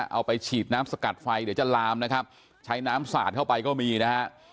เอาไปฉีดน้ำสกัดไฟเดี๋ยวจะลามนะครับใช้น้ำสาดเข้าไปก็มีนะฮะ